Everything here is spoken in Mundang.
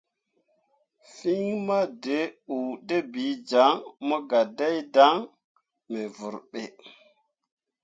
Fîi maduutǝbiijaŋ mo gah dai dan me vurɓe.